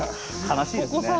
悲しいですね。